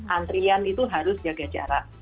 antrian itu harus jaga jarak